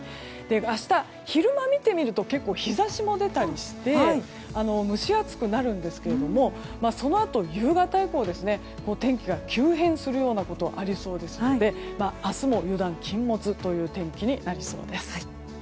明日、昼間見てみると結構、日差しも出たりして蒸し暑くなるんですけどもそのあと夕方以降天気が急変するようなことがありそうですので明日も油断禁物という天気になりそうです。